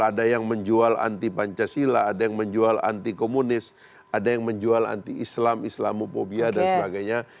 ada yang menjual anti pancasila ada yang menjual anti komunis ada yang menjual anti islam islamophobia dan sebagainya